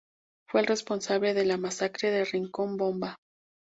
Fue el responsable de la Masacre de Rincón Bomba.